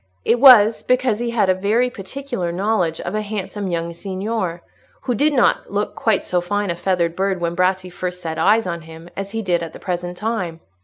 It was, because he had a very particular knowledge of a handsome young signor, who did not look quite so fine a feathered bird when Bratti first set eyes on him as he did at the present time.